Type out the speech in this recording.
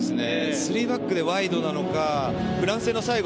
３バックでワイドなのかフランス戦の最後